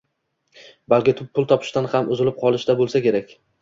balki pul topishdan ham uzilib qolishida bo‘lsa kerak.